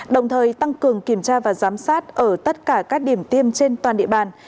đồng thời tăng cường kiểm tra và giám sát ở tất cả các điểm tiêm trên toàn địa bàn